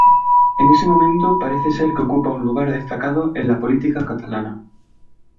En ese momento parece ser que ocupa un lugar destacado en la política catalana.